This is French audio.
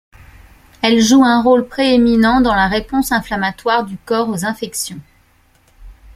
Elle joue un rôle prééminent dans la réponse inflammatoire du corps aux infections.